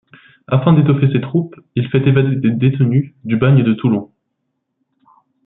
Afin d'étoffer ses troupes, il fait évader des détenus du bagne de Toulon.